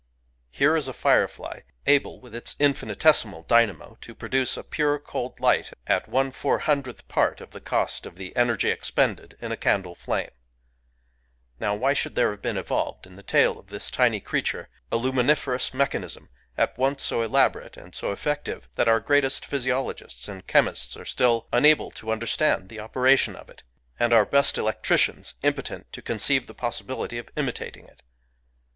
Here is a firefly, able, with its infinitesimal dynamo, to produce a pure cold light " at one four hundredth part of the cost of the energy expended in a candle flame "!... Now why should there have been evolved in the tail of this tiny creature a luminiferous mechanism at once so elaborate and so eflFective that our greatest physiologists and chemists are still unable to understand the opera tion of it, and our best electricians impotent to con ceive the possibility of imitating it?